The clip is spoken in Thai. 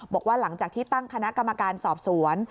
บอกว่าหลังจากที่ตั้งคณะกรรมการสอบสวน